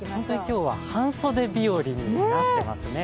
今日は半袖日和になっていますね。